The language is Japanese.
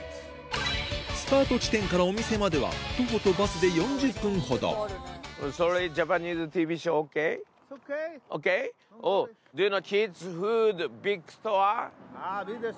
スタート地点からお店までは徒歩とバスで４０分ほど早いな！